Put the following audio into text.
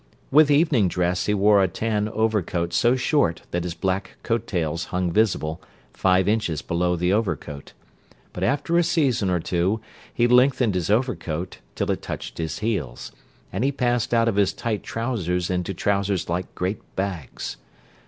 With evening dress he wore a tan overcoat so short that his black coat tails hung visible, five inches below the over coat; but after a season or two he lengthened his overcoat till it touched his heels, and he passed out of his tight trousers into trousers like great bags.